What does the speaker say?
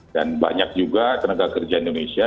dan banyak juga tenaga kerja indonesia